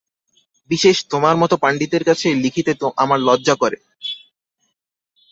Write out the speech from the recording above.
বিশেষ, তোমার মতো পণ্ডিতের কাছে লিখিতে আমার লজ্জা করে।